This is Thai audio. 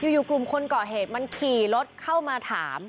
อยู่กลุ่มคนก่อเหตุมันขี่รถเข้ามาถาม